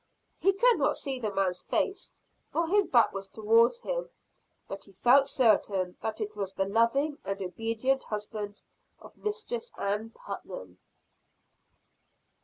He could not see the man's face, for his back was toward him; but he felt certain that it was the loving and obedient husband of Mistress Ann Putnam.